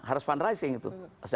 harus fundraising itu